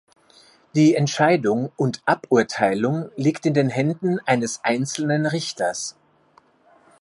Die Entscheidung und Aburteilung liegt in den Händen eines einzelnen Richters.